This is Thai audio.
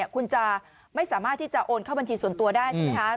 คุณจะไม่สามารถที่จะโอนเข้าบัญชีส่วนตัวได้ใช่ไหมคะ